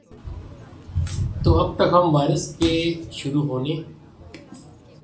تو اب تک ہم وائرس کے شروع ہونے